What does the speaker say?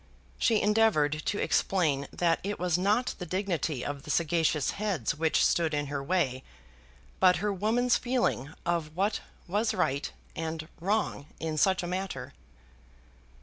She endeavoured to explain that it was not the dignity of the sagacious heads which stood in her way, but her woman's feeling of what was right and wrong in such a matter.